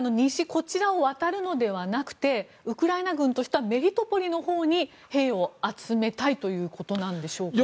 こちらを渡るのではなくてウクライナ軍としてはメリトポリのほうに兵を集めたいということでしょうか？